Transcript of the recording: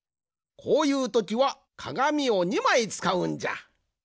こういうときはかがみを２まいつかうんじゃ。